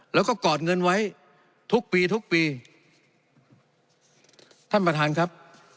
แล้วก็กอดเงินไว้ทุกปีทุกปีท่านประธานครับ